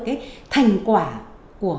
cái thành quả của